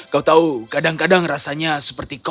kau tahu kadang kadang rasanya seperti kau